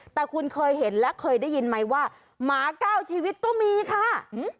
แต่คุณเคยเห็นและเคยได้ยินไหมว่าหมาเก้าชีวิตก็มีค่ะ